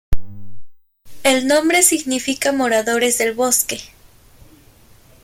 El nombre significa "moradores del bosque".